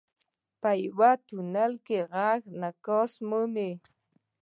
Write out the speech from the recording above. • په یو تونل کې ږغ انعکاس مومي.